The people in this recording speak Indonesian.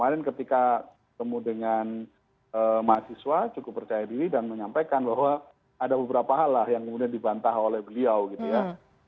kemarin ketika ketemu dengan mahasiswa cukup percaya diri dan menyampaikan bahwa ada beberapa hal lah yang kemudian dibantah oleh beliau gitu ya